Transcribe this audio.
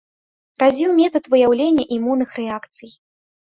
Развіў метад выяўлення імунных рэакцый.